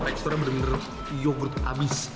teksturnya benar benar yogurt amis